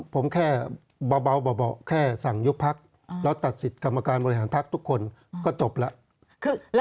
ผมแค่เบาะแค่สั่งยุบพักแล้วตัดสิทธิ์กรรมการบริหารพักทุกคนก็จบแล้ว